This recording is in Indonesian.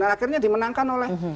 dan akhirnya dimenangkan oleh ini